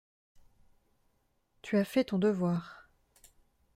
Tu as fait ton devoir…